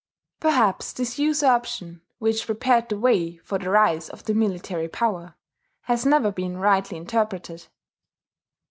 Perhaps this usurpation which prepared the way for the rise of the military power has never been rightly interpreted.